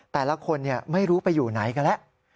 แต่ละคนไม่รู้ไปอยู่ไหนกันแล้ว